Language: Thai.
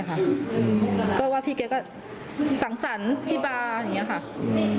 เพราะว่าสังสรรคือการพิโรคที่บาร์